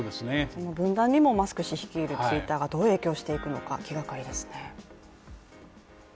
その分断にもマスク氏率いるＴｗｉｔｔｅｒがどう影響していくのか、気がかりですね。